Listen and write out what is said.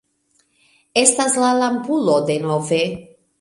Estas la lampulo denove...